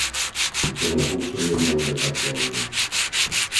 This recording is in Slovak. Ten je úplne neudržateľný!